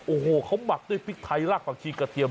โอ้โหเขาหมักด้วยพริกไทยรากผักชีกระเทียม